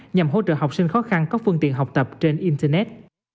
nhằm hỗ trợ học sinh khó khăn có phương tiện học tập trên internet